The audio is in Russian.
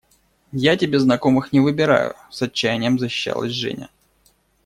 – Я тебе знакомых не выбираю, – с отчаянием защищалась Женя.